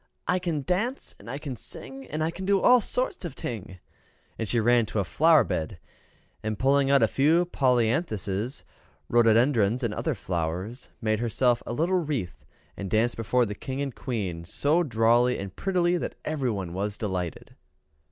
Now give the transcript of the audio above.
"I can dance, and I can sing, and I can do all sorts of ting." And she ran to a flower bed, and, pulling a few polyanthuses, rhododendrons, and other flowers, made herself a little wreath, and danced before the King and Queen so drolly and prettily, that everybody was delighted.